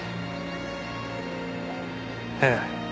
ええ。